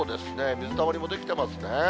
水たまりも出来てますね。